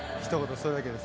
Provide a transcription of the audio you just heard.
それだけです。